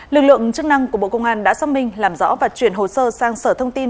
lực lượng chức năng của bộ công an đã xác minh làm rõ và chuyển hồ sơ sang sở thông tin